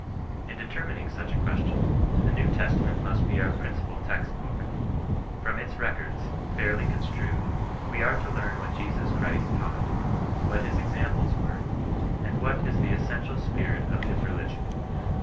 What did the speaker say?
In deter : mining such a question, the New Testament must be our principal text book. From its records, fairly construed, we are to learn what Jesus Christ taught, what his ex amples were, and what is the essential spirit of his rel^on.